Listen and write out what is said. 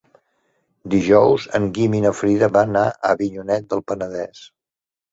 Dijous en Guim i na Frida van a Avinyonet del Penedès.